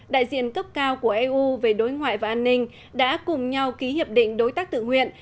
đại diện cấp cao của eu về đối ngoại và an ninh đã cùng nhau ký hiệp định đối tác tự nguyện